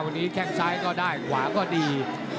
วันนี้แข้งซ้ายก็ได้ขวาก็ดี